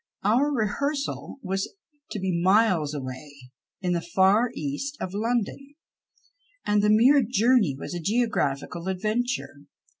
Our rehearsal was to be miles away, in the far East of London, and the mere journey was a geographical adventure.